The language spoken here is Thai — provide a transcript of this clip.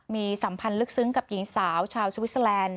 มีสัมพันธ์ลึกซึ้งกับหญิงสาวชาวสวิสเตอร์แลนด์